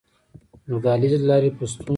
د دهلېز له لارې په ستونزو.